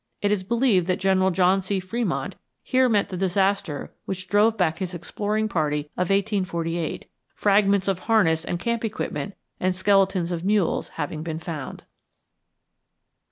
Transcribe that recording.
It is believed that General John C. Fremont here met the disaster which drove back his exploring party of 1848, fragments of harness and camp equipment and skeletons of mules having been found.